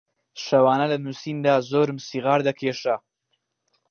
شەوانە لە نووسیندا زۆرم سیغار دەکێشا